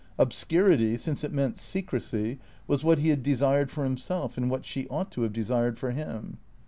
Obscurity, since it meant secrecy, was what he had desired for himself, and what she ought to have desired for him.